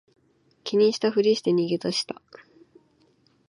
気にしたふりして逃げ出した